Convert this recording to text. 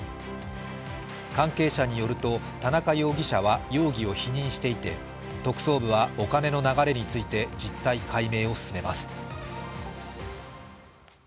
関係者によると田中容疑者は容疑を否認していて特捜部はお金の流れについて、実態解明を進めます。